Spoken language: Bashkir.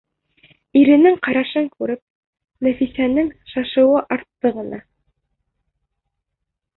Иренең ҡарашын күреп, Нәфисәнең шашыуы артты ғына: